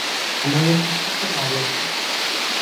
আমার একটা ছোট্ট কাজ আছে।